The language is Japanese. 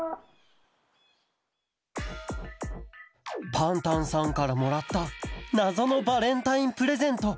パンタンさんからもらったなぞのバレンタインプレゼント。